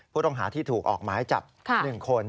ผู้ต้องหาที่ถูกออกหมายจับ๑คน